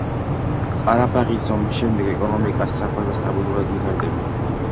ყარაბაღის ომის შემდეგ ეკონომიკა სწრაფად და სტაბილურად ვითარდება.